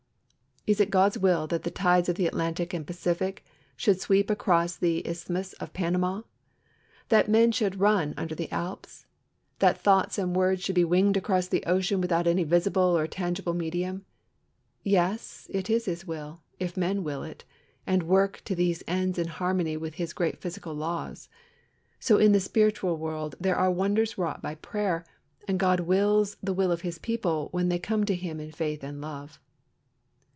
Is it God's will that the tides of the Atlantic and Pacific should sweep across the Isthmus of Panama? That men should run under the Alps? That thoughts and words should be winged across the ocean without any visible or tangible medium? Yes; it is His will, if men will it, and work to these ends in harmony with His great physical laws. So in the spiritual world there are wonders wrought by prayer, and God wills the will of His people when they come to Him in faith and love.